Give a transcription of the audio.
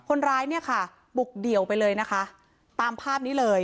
คนร้ายเนี่ยค่ะบุกเดี่ยวไปเลยนะคะตามภาพนี้เลย